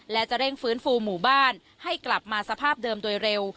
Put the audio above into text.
และจะเร่งฟื้นฟูหมู่บ้านให้กลับมาสภาพเดิมโดยเร็ว